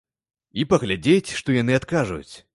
І паглядзець, што яны адкажуць.